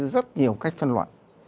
rất nhiều cách phân loạn